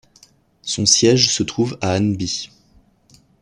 Son siège se trouve à Aneby.